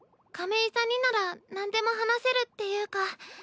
亀井さんにならなんでも話せるっていうか。